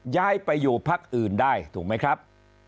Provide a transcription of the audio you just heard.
ย้ายไปอยู่พักอื่นได้ถูกไหมครับ